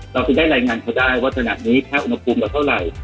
เราถึงได้รายงานเขาได้ว่าขนาดนี้ถ้าอุณหภูมิเราเท่าไหร่